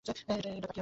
এই তাকিয়াটা নিন-না।